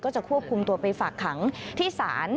จะควบคุมตัวไปฝากขังที่ศาล